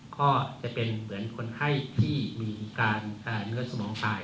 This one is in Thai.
ก็เป็นเหมือนเป็นอากาศที่มีเนื้อสมองตาย